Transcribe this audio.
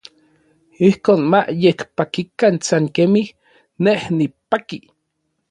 Ijkon ma yekpakikan san kemij n nej nipaki.